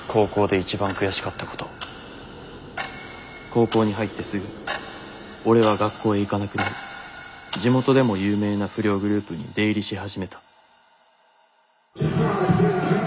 高校に入ってすぐ俺は学校へ行かなくなり地元でも有名な不良グループに出入りし始めた」。